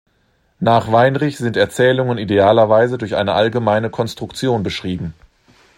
Nach Weinrich sind Erzählungen idealerweise durch eine allgemeine Konstruktion beschrieben.